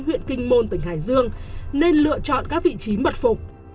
huyện kinh môn tỉnh hải dương nên lựa chọn các vị trí mật phục